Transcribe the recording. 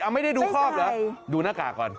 ไม่ได้ดูครอบเหรอดูหน้ากากก่อน